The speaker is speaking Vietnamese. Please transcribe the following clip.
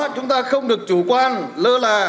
chúng ta không được chủ quan lơ là